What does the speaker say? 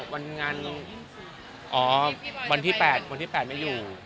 อ๋อวันที่๘ไม่อยู่